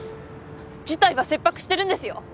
事態は切迫してるんですよ